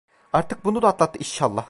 Artık bunu da atlattı inşallah!